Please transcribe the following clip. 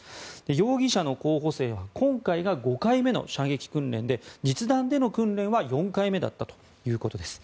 容疑者の候補生は今回が５回目の射撃訓練で実弾での訓練は４回目だったということです。